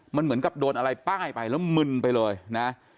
มันเหมือนกับโดนอะไรป้ายไปแล้วมึนไปเลยนะ